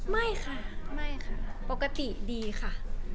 ไม่ค่ะปกติดีค่ะ